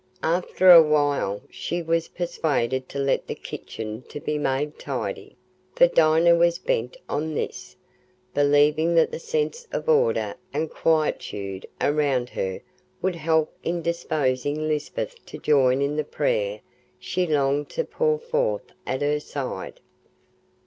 After a while she was persuaded to let the kitchen be made tidy; for Dinah was bent on this, believing that the sense of order and quietude around her would help in disposing Lisbeth to join in the prayer she longed to pour forth at her side.